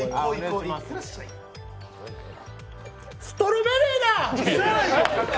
ストロベリーだ！！